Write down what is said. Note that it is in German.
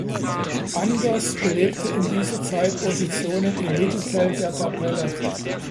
Angers belegte in dieser Zeit Positionen im Mittelfeld der Tabelle.